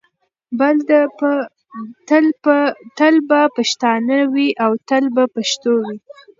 تل به پښتانه وي او تل به پښتو وي.